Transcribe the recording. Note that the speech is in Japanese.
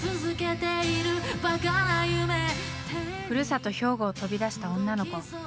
ふるさと兵庫を飛び出した女の子。